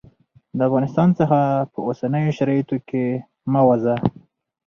د افغانستان څخه په اوسنیو شرایطو کې مه ووزه.